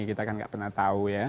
kita kan nggak pernah tahu ya